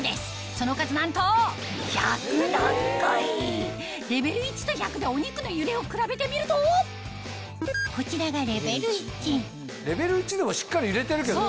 その数なんとレベル１と１００でお肉の揺れを比べてみるとこちらがレベル１でもしっかり揺れてるけどね。